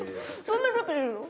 そんなこと言うの？